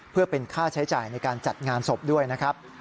เพื่อเป็นค่าใช้จ่ายในการจัดงานศพด้วยนะครับ